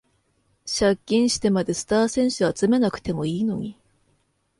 借金してまでスター選手集めなくてもいいのに